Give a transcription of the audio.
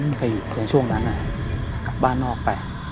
ไม่มีใครอยู่จนช่วงนั้นกลับบ้านนอกไป